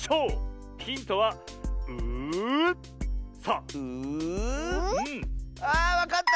あわかった！